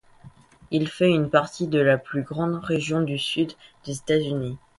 Il fait une partie de la plus grande région du Sud des États-Unis.